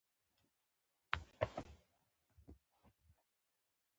له ښرا څخه ویریږي.